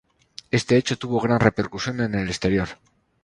Este hecho tuvo gran repercusión en el exterior.